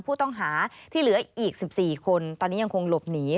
ผู้ต้องหาที่เหลืออีก๑๔คนตอนนี้ยังคงหลบหนี